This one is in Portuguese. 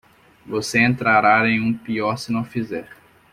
Você entrará em um pior se não o fizer.